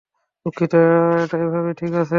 দুঃখিত, এটা এভাবেই ঠিক আছে!